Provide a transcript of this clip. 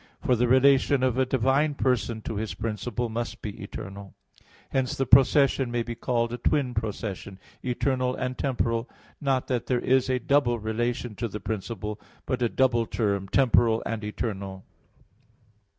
For the relation of a divine person to His principle must be eternal. Hence the procession may be called a twin procession, eternal and temporal, not that there is a double relation to the principle, but a double term, temporal and eternal.